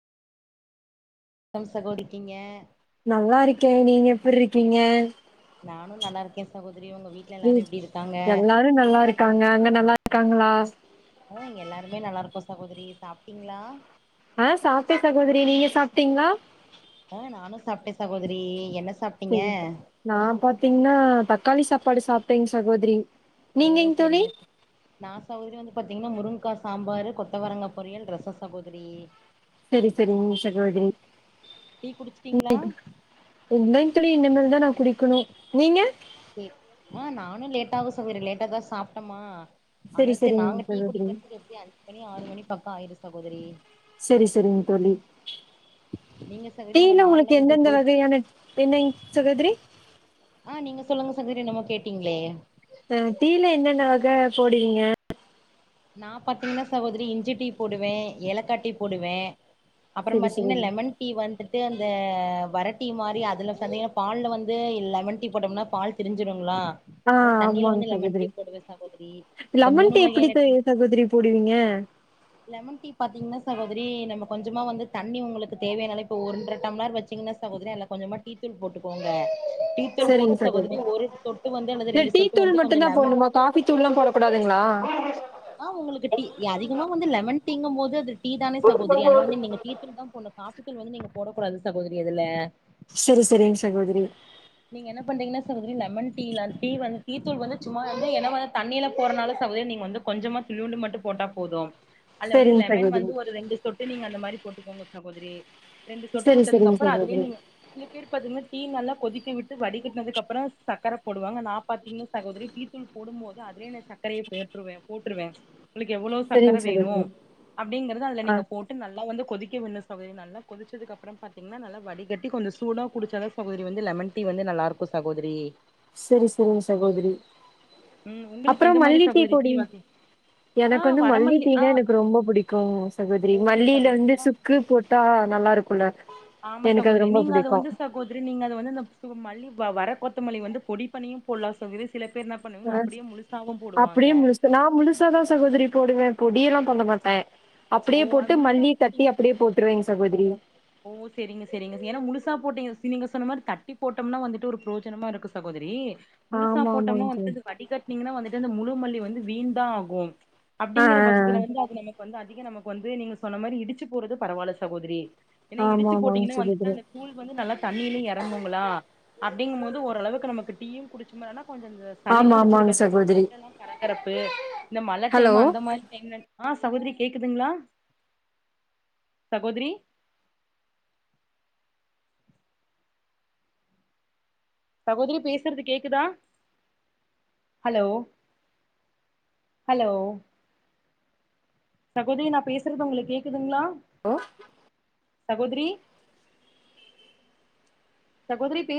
எப்டி சகோ இருக்கீங்க நல்லா இருக்கே நீங்க எப்டி இருக்கீங்க நானு நல்லா இருக்கே சகோதரி உங்க வீட் ம் எல்லாரு நல்லா இருக்காங்க அங்க நல்லா இருக்காங்களா அ இங்க எல்லாருமே நல்லா இருக்கோ சகோதரி சாப்ட்டீங்களா ஆ சாப்ட சகோதிரி நீங்க சாப்ட்டீங்ளா அ நானு சாப்ட்டே சாகோதிரி என்ன சாப் சரி நா பாத்திங்கன்னா தக்காளி சாப்பாடு சாப்ட்டேங் சகோதரி ஒ நீங்கங் தோழி சரிங்க சார் நா சகோதரி வந்து பாத்தீங்கன்னா முருங்கா சாம்பாரு கொத்தவரங்கா பொரியல் ரச சகோதரி சரி சரிங்க சகோதரி டீ குடிச்சிட்டீங்களா மெண்டலி இந்த மாதிரிதா நான் குடிக்கணு நீங்க [unintelligible] அ நானு லேட்ட ஆகு சகோதரி லேட்டா தான் சாப்ட்டோமா ஆனாலும் சரி சரிங்க நாங்க டீ சகோதரி குடிக்கிறதுக்கு எப்டி அஞ்சு மணி ஆறு மணி பக்கம் ஆயிரு சகோதரி சரி சரிங்க தோழி நீங்க சகோதரி உங்க டீயில நாள்லா உங்களுக்கு எப்டி எந்தெந்த போயிட்டு வகையான என்னங் சகோதரி அ நீங்க சொல்லுங்க சகோதரி என்னமோ கேட்டீங்களே த டீயில என்னென்ன வக போடுவீங்க நா பாத்தீங்கன்னா சகோதிரி இஞ்சி டீ போடுவே ஏலக்கா டீ போடுவே அப்பறம் சரி சரிங்க பாத்தீங்கென்னாலெமன் டீ வந்துட்டு அந்த வரட் டி மாரி அதல சந்கே பால் வந்து லெமன் டீ போட்டோம்னா பால் திரிஞ்சிருங்களா ஆ அத தண்ணியில ஆமாங்க வந்து லெமன் சகோதரி டீ போடுவ சாகோதிரி இந்த மூணு வகையான டீ சகோதிரி போடுவிங்க லெமன் டீ பாத்தீங்கன்னா சகோதிரி நம்ம கொஞ்சமா வந்து தண்ணி உங்களுக்கு தேவையானால இப்போ ஒன்ற டம்ளார் வச் பாத்திங்கனா சகோதிரி அதுல கொஞ்சமா டீ தூள் போட்டுக்கோங்க டீத்தூள் சரிங்க போட்டு சகோதரி சகோதிரி ஒரு சொட்டு வந்து அல்லது ரெண்டு சொட்டு வந்து கொஞ்சொ லெமன் காபி தூள்லா போடக் கூடாதுங்களா அ உங்களுக்கு டீ அதிகமா வந்து லெமன் டீங்கு போது அது டீ தான சகோதிரி ஆனால வந்து நீங்க டீ [unintelligible] போட்னு காபிதூள் வந்து நீங்க போடக் கூடாது சகோதிரி அதுல செரி செரிங்க சகோதிரி நீங்க என்ன பண்றீங்கன்னா சகோதிரி லெமன் டீ டீ வந்து டீ தூள் வந்து சும்மா வந்து வ தண்ணியில போறனால சகோதிரி நீங்க வந்து கொஞ்சமா துளிண்டு மட்டு போட்டா போது அதுல வந்து சரிங்க லெமன் சகோதரி வந்து ஒரு ரெண்டு சொட்டு நீங்க அந்த மாரி போட்டுக்கோங்க சகோதிரி ரெண்டு சொட்டு சரி உட்டதுக்கு சரிங்க அப்பறோ அதுலயே சகோதரி நீங்க சில பேர் பாத்திங்கன டீ நல்லா கொதிக் விட்டு விட்டு வடிகட்டுனது அப்பறோ சக்கர போடுவாங்க நா பாத்தீங்கன்ன சகோதிரி டீத்தூள் போடுபோது அதேல நா சக் சக்ரயே பேற்றுவே போட்டுருவே உங்களுக்கு எவ்வோளோ சக்கர சரிங்க வேணு சகோதரி அப்டிங்கறத அதுல ஆ நீங்க போட் விட்டு நல்லா வந்து கொதிக்க விட்னோ சகோதிரி நல்லா கொதிச்சதுக் அப்பறோ பாத்தீங்கன்னா நல்லா வடிகட்டி கொஞ்சே சூடா குடிச்சாதா சகோதிரி வந்து லெமன் டீவந்து நல்லாருக்கு சகோதிரி செரி செரி சகோதிரி ம் உங்களுக்கு அப்பறோ எந்த மாரி மல்லி டீ சகோதரி போடிவீங் வகை ஆ எனக்கு வந்து மல்லி வரமல்லி ஆ டீனா எனக்கு ரொம்ப பிடிக்கு சகோதிரி ஓகே மல்லியில சகோதரி வந்து ஆ சு சுக்கு போட்டா நல்லா இருக்குல எனக்கு அது ரொம்ப பிடிக்கு சகோதிரி நீங்க அது வந்து மல்லி வர கொத்தமல்லி வந்து பொடி பனியு போடல்லா சகோதிரி சில பேர் நா பண்ணுவீங்கன்ன ஆ அப்படியே முழுசாவு போடுவாங்க அப்டியே முழுசு நா முழுசா தா சகோதிரி போடுவே பொடியெல்லா பண்ண மாட்டே ஓ அப்படியே அது போட்டு மல்லி முழுசா தட்டி அப்படியே போட்டுருவே சகோதிரி ஓ செரிங்க செரிங்க ஏன்னா முழுசா போட்டீங்க நீங்க சொன்ன மாரி தட்டி போட்டோம்னா வந்துட்டு ஒரு ப்ரோஜனமா இருக்கு சகோதிரி முழுசா ஆமா ஆமாங்க போட்டோம்னா தோழி வந்துது வடிகட்னீங்கன்னா வந்துட்டு அந்த முழுமல்லி வந்து வீண் தா ஆகு ஆ அப்டிங்கிற பட்சத்துல வந்து அது நமக்கு வந்து அதிக நமக்கு வந்து நீங்க சொன்ன மாரி இடிச்சு போறது பரவால்ல சகோதிரி ஏன்னா ஆ ஆ ஆமா இடிச்சு ஆமாங்க போட்டீங்கன்னா வந்துட்டா சகோதரி அந்த கூழ் வந்து நல்லா தண்ணியில இறங்குங்களா அப்டிங்கு போது ஓரளவுக்கு நமக்கு டீயும் குடிச்சு மான்னா கொஞ்ச அந்த சளி ஆமா ஆமாங்க புடிச்சிருக்குது சகோதரி தொண்டலா கரகரப்பு இந்த மழை ஹலோ டைம் அந்த மாரி டைம்ல ஆ சகோதிரி கேக்குதுங்ளா சகோதிரி சகோதிரி பேசுறது கேக்குதா ஹலோ ஹலோ சகோதிரி நா பேசுறது உங்களுக்கு கேக்குதுங்ளா ஹலோ சகோதிரி சகோதிரி பே